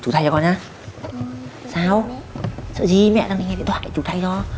trong lúc bé thay đồ